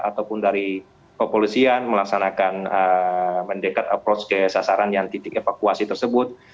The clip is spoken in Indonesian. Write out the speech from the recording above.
ataupun dari kepolisian melaksanakan mendekat approach ke sasaran yang titik evakuasi tersebut